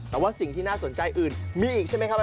แต่ว่าสิ่งที่น่าสนใจอื่นมีอีกใช่ไหมครับ